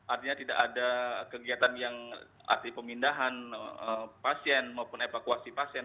artinya tidak ada kegiatan yang arti pemindahan pasien maupun evakuasi pasien